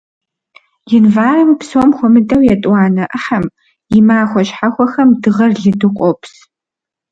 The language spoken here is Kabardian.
Январым, псом хуэмыдэу етӀуанэ Ӏыхьэм, и махуэ щхьэхуэхэм дыгъэр лыду къопс.